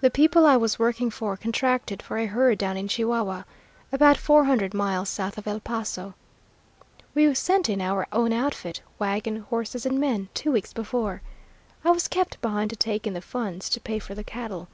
The people I was working for contracted for a herd down in Chihuahua, about four hundred miles south of El Paso. We sent in our own outfit, wagon, horses, and men, two weeks before. I was kept behind to take in the funds to pay for the cattle.